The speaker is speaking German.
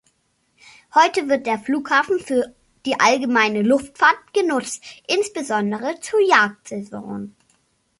Heute wird der Flughafen für die Allgemeine Luftfahrt genutzt, insbesondere zur Jagdsaison.